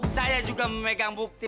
saya juga memegang bukti